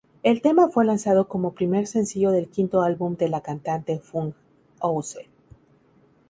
El tema fue lanzado como primer sencillo del quinto álbum de la cantante, "Funhouse".